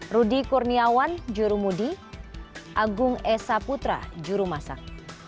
rudi kurniawan jurumudi agung esa putra jurumasak